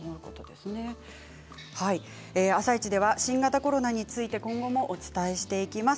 「あさイチ」では新型コロナについて今後もお伝えしていきます。